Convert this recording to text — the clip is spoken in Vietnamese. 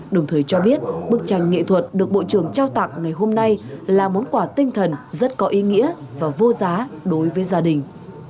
đồng thời cho biết bức tranh nghệ thuật được bộ trưởng trao tặng ngày hôm nay là món quà tinh thần rất có ý nghĩa và vô giá đối với gia đình